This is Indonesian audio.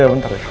iya bentar ya